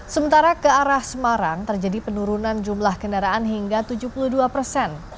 sementara ke arah semarang terjadi penurunan jumlah kendaraan hingga tujuh puluh dua persen